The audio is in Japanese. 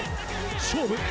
勝負。